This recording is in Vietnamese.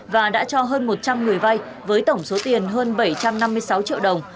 và đã cho hơn một trăm linh người vay với tổng số tiền hơn bảy trăm năm mươi sáu triệu đồng